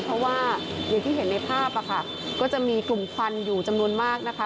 เพราะว่าอย่างที่เห็นในภาพค่ะก็จะมีกลุ่มควันอยู่จำนวนมากนะคะ